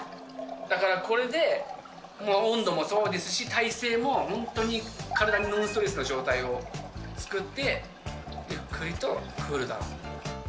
だからこれで、温度もそうですし、体勢も本当に体にノンストレスの状態を作ってゆっくりとクールダウン。